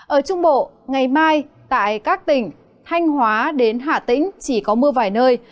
ở trung bộ ngày mai tại các tỉnh thanh hóa đến hà tĩnh chỉ có mưa vài nơi